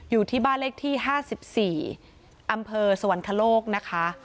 อยู่ที่บ้านเลขที่๕๔อำเภอสวรรคโลกนะคะ